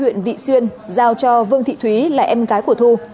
huyện vị xuyên giao cho vương thị thúy là em gái của thu